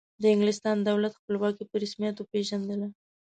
د انګلستان دولت خپلواکي په رسمیت وپیژندله.